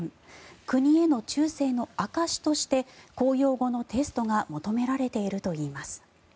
国への忠誠の証しとして公用語のテストが求められているといいます。